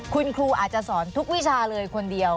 คุณครูอาจจะสอนทุกวิชาเลยคนเดียว